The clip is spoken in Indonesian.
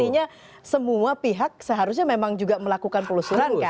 artinya semua pihak seharusnya juga melakukan penelusuran kan